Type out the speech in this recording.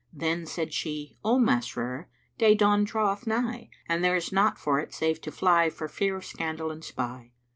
Then said she, "O Masrur day dawn draweth nigh and there is naught for it save to fly for fear of scandal and spy!"